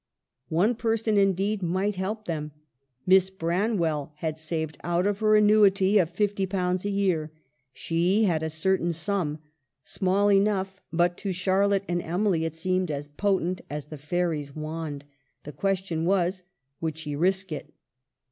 One person, indeed, might help them. Miss Branwell had saved out of her annuity of ^50 a year. She had a certain sum ; small enough, but to Charlotte and Emily it seemed as potent as the fairy's wand. The question was, would she risk it